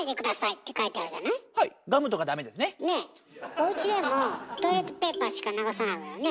おうちでもトイレットペーパーしか流さないわよね？